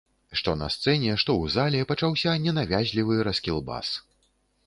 Што на сцэне, што ў зале пачаўся ненавязлівы раскілбас.